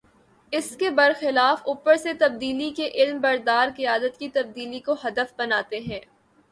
اس کے بر خلاف اوپر سے تبدیلی کے علم بردار قیادت کی تبدیلی کو ہدف بناتے ہیں۔